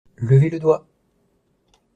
Levez le doigt !